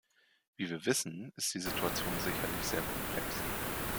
Wie wir wissen, ist die Situation sicherlich sehr komplex.